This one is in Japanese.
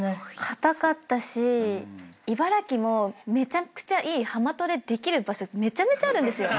堅かったし茨城もめちゃくちゃいい浜トレできる場所めちゃめちゃあるんですよ。